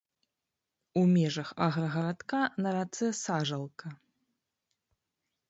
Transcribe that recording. У межах аграгарадка на рацэ сажалка.